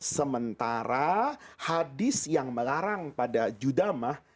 sementara hadis yang melarang pada judamah